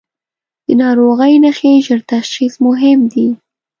د ناروغۍ نښې ژر تشخیص مهم دي.